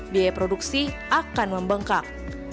biaya produksi akan membengkak